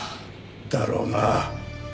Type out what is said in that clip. だろうな。